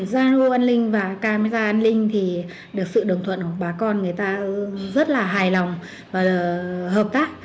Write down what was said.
gia lô an ninh và camera an ninh thì được sự đồng thuận của bà con người ta rất là hài lòng và hợp tác